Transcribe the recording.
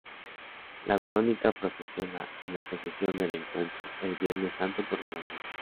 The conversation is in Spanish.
La Verónica procesiona en la Procesión del Encuentro, el Viernes Santo por la mañana.